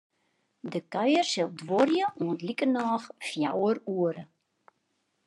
De kuier sil duorje oant likernôch fjouwer oere.